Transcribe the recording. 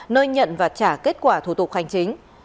nơi nhận và trả kết quả thủ tục hành chính